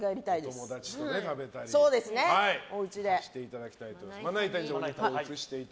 お友達と食べたりしていただきたいと思います。